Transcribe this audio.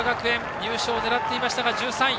入賞を狙っていましたが１３位。